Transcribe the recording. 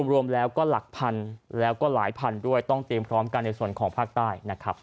รวมแล้วก็หลักพันแล้วก็หลายพันด้วยต้องเตรียมพร้อมกันในส่วนของภาคใต้นะครับ